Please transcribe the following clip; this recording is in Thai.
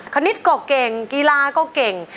คณิตก็เก่งกีฬาก็เก่ง